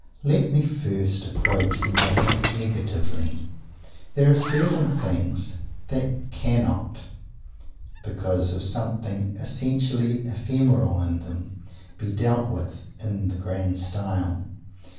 Let me first approach the matter negatively. There are certain things that cannot because of something essentially ephemeral in them be dealt with in the grand style.